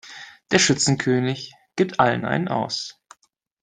Der Schützenkönig gibt allen einen aus.